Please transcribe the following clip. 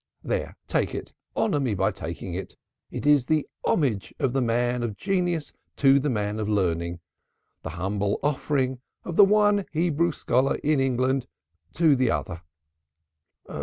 There, take it, honor me by taking it. It is the homage of the man of genius to the man of learning, the humble offering of the one Hebrew scholar in England to the other."